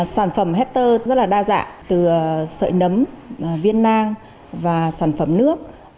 sản phẩm hatter rất là đa dạng từ sợi nấm viên nang và sản phẩm nước